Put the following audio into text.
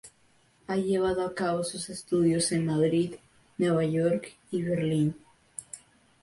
Ha llevado a cabo sus estudios en Madrid, Nueva York y Berlín.